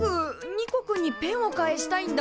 ニコくんにペンを返したいんだ。